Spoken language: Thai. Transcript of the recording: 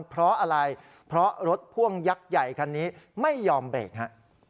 เพราะอะไรเพราะรถพ่วงยักษ์ใหญ่คันนี้ไม่ยอมเบรกฮะ